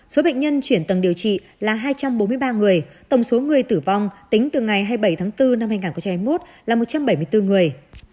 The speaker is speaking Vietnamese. số bệnh nhân chuyển tầng điều trị là hai trăm bốn mươi ba người tổng số người tử vong tính từ ngày hai mươi bảy tháng bốn năm hai nghìn hai mươi một là một trăm bảy mươi bốn người